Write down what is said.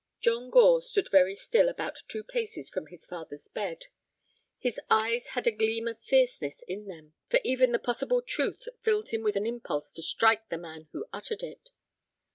John Gore stood very still about two paces from his father's bed. His eyes had a gleam of fierceness in them, for even the possible truth filled him with an impulse to strike the man who uttered it.